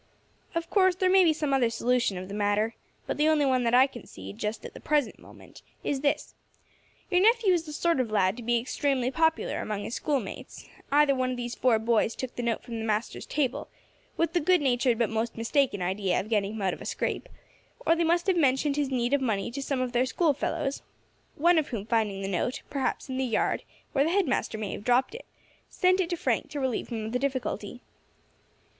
Of course there may be some other solution of the matter, but the only one that I can see, just at the present moment, is this: Your nephew is the sort of lad to be extremely popular among his schoolmates; either one of these four boys took the note from the master's table, with the good natured but most mistaken idea of getting him out of a scrape, or they must have mentioned his need of money to some of their school fellows, one of whom finding the note, perhaps in the yard, where the head master may have dropped it, sent it to Frank to relieve him of the difficulty.